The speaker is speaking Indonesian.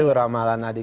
itu ramalan adi